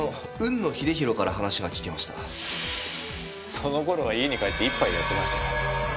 その頃は家に帰って一杯やってました。